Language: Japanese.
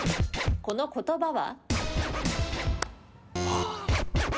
この言葉は？